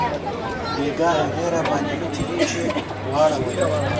بیګاه هغې راباندې لوڅې لیچې واړولې